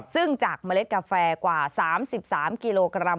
ซึ่งจากเมล็ดกาแฟกว่า๓๓กิโลกรัม